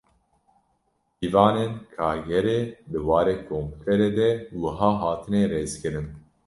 Pîvanên Kargerê di warê komputerê de wiha hatine rêzkirin.